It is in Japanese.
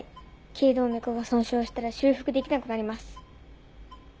頸動脈が損傷したら修復できなくなります。